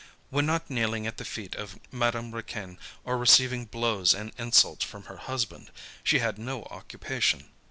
When not kneeling at the feet of Madame Raquin or receiving blows and insults from her husband, she had no occupation.